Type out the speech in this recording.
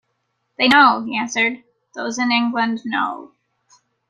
"They know," he answered - "those in England know."